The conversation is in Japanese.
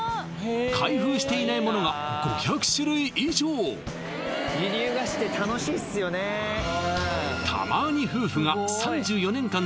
開封していないものが５００種類以上タマ・